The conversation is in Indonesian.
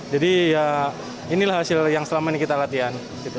jadi ya inilah hasil yang selama ini kita latihan